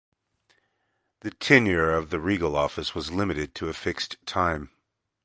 The tenure of the regal office was limited to a fixed time.